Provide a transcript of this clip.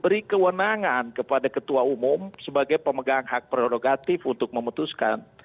beri kewenangan kepada ketua umum sebagai pemegang hak prerogatif untuk memutuskan